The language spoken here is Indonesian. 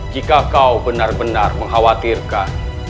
jika kau benar benar mengkhawatirkan